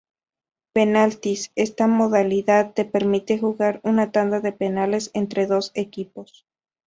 Penaltis: Esta modalidad te permite jugar una tanda de penales entre dos equipos.